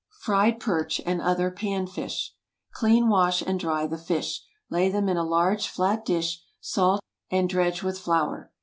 FRIED PERCH, AND OTHER PAN FISH. Clean, wash, and dry the fish. Lay them in a large flat dish, salt, and dredge with flour.